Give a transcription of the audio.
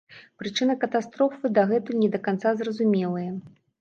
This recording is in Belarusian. Прычыны катастрофы дагэтуль не да канца зразумелыя.